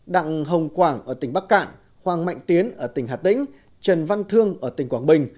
đặng hồng quảng ở tỉnh bắc cạn hoàng mạnh tiến ở tỉnh hà tĩnh trần văn thương ở tỉnh quảng bình